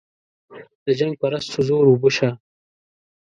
د جنګ پرستو زور اوبه شه.